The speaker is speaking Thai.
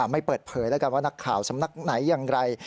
ไม่เปิดเผยแล้วกันว่านักข่าวสำนักไหนอย่างไร